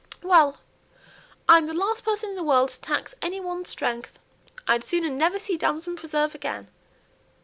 "Well! I'm the last person in the world to tax any one's strength; I'd sooner never see damson preserve again.